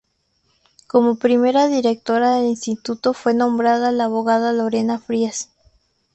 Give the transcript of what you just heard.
Como primera directora del Instituto fue nombrada la abogada Lorena Fries.